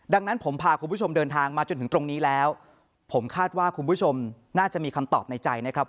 ดังนั้นผมพาคุณผู้ชมเดินทางมาจนถึงตรงนี้แล้วผมคาดว่าคุณผู้ชมน่าจะมีคำตอบในใจนะครับ